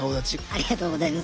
ありがとうございます。